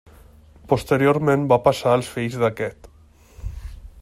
Posteriorment va passar als fills d'aquest.